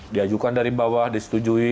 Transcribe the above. diajukan dari bawah disetujui